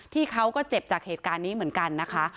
เขาก็เจ็บจากเหตุการณ์นี้เหมือนกันนะคะ